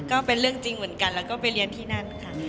ก็เป็นเรื่องจริงเหมือนกันแล้วก็ไปเรียนที่นั่นค่ะ